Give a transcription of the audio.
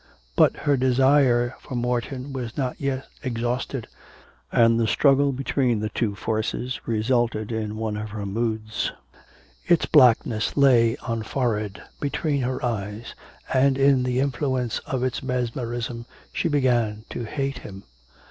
But her desire for Morton was not yet exhausted, and the struggle between the two forces resulted in one of her moods. Its blackness lay on forehead, between her eyes, and, in the influence of its mesmerism, she began to hate him.